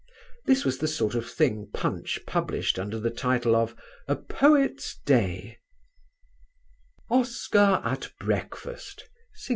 This was the sort of thing Punch published under the title of "A Poet's Day": "Oscar at Breakfast!